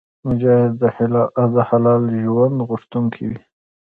مجاهد د حلال ژوند غوښتونکی وي.